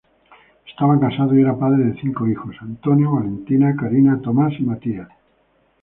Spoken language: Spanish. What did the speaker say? Estaba casado y era padre de cinco hijos: Antonio, Valentina, Karina, Tomás y Matías.